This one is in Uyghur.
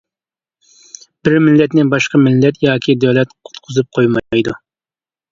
بىر مىللەتنى باشقا مىللەت ياكى دۆلەت قۇتقۇزۇپ قويمايدۇ.